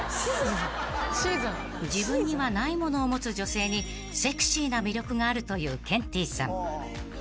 ［自分にはないものを持つ女性にセクシーな魅力があるというケンティーさん］